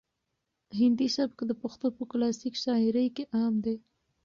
هندي سبک د پښتو په کلاسیک شاعري کې عام دی.